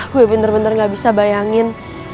gue bener bener nggak bisa bayangin